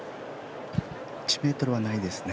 １ｍはないですね。